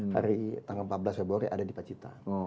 hari tanggal empat belas februari ada di pacitan